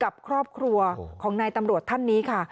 กับครอบครัวของนายตำรวจท่านนี้ค่ะ